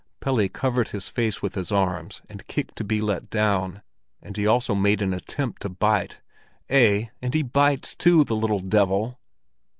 Pelle covered his face with his arms and kicked to be let down; and he also made an attempt to bite. "Eh, and he bites, too, the little devil!"